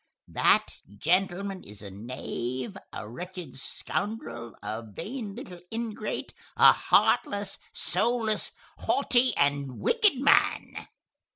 That gentleman is a knave, a wretched scoundrel, a vain little ingrate, a heartless, soulless, haughty, and wicked man!"